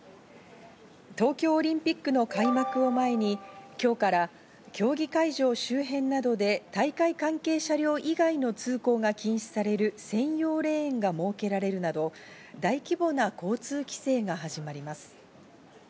東京オリンピックの開幕を前に今日から競技会場周辺などで、大会関係車両以外の通行が禁止される専用レーンが設けられるなど、大規模な交通規制が始まります。